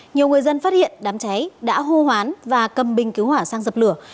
nhiều người dân phát hiện đám cháy đã hô hoán và cầm bình cứu hỏa sang dập lửa